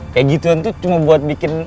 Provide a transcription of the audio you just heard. kayak gituan tuh cuma buat bikin